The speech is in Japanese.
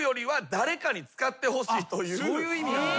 そういう意味なんだ。